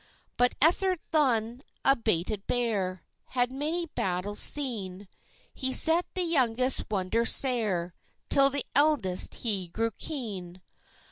But Ethert Lunn, a baited bear, Had many battles seen; He set the youngest wonder sair, Till the eldest he grew keen.